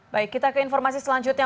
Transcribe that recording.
baik kita ke informasi selanjutnya